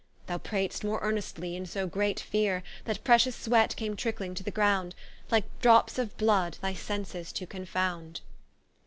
Thou prayedst more earnestly, in so great feare, That pretious sweat came trickling to the ground, Like drops of blood thy sences to confound.